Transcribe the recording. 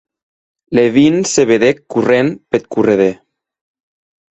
Levin se vedec corrent peth correder.